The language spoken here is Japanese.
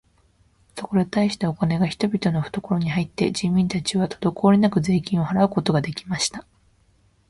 そこで大したお金が人々のふところに入って、人民たちはとどこおりなく税金を払うことが出来ました。